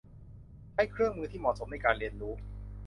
ใช้เครื่องมือที่เหมาะสมในการเรียนรู้